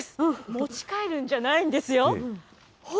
持ち帰るんじゃないんですよ。